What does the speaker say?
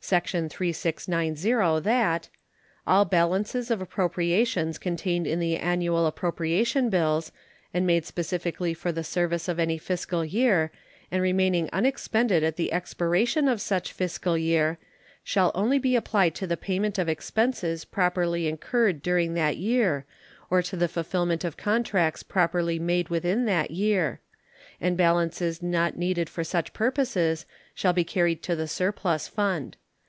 Section 3690, that All balances of appropriations contained in the annual appropriation bills, and made specifically for the service of any fiscal year, and remaining unexpended at the expiration of such fiscal year, shall only be applied to the payment of expenses properly incurred during that year or to the fulfillment of contracts properly made within that year; and balances not needed for such purposes shall be carried to the surplus fund.